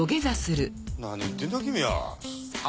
何言ってんだキミは。